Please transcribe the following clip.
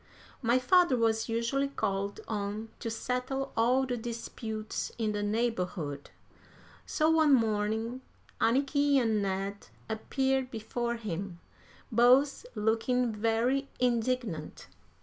My father was usually called on to settle all the disputes in the neighborhood; so one morning Anniky and Ned appeared before him, both looking very indignant.